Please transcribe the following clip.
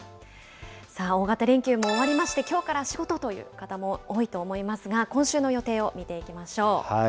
さあ、大型連休も終わりまして、きょうから仕事という方も多いと思いますが、今週の予定を見ていきましょう。